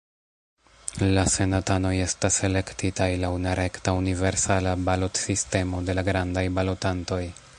La senatanoj estas elektitaj laŭ nerekta universala balotsistemo de la grandaj balotantoj.